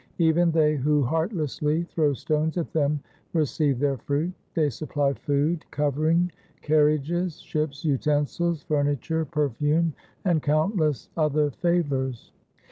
Even they who heartlessly throw stones at them receive their fruit. They supply food, covering, carriages, ships, utensils, furniture, perfume, and countless other favours.